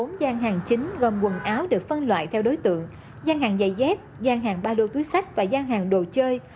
bốn gian hàng chính gồm quần áo được phân loại theo đối tượng gian hàng dày dép gian hàng ba lô túi sách và gian hàng đồ chơi